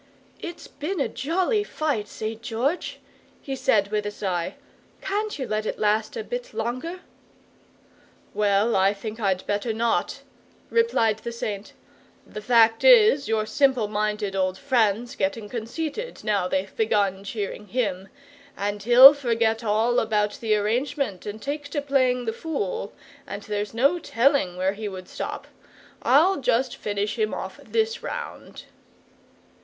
"It's been a jolly fight, St. George!" he said with a sigh. "Can't you let it last a bit longer?" "Well, I think I'd better not," replied the Saint. "The fact is, your simple minded old friend's getting conceited, now they've begun cheering him, and he'll forget all about the arrangement and take to playing the fool, and there's no telling where he would stop. I'll just finish him off this round."